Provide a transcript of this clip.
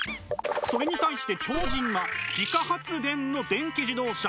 それに対して超人は自家発電の電気自動車。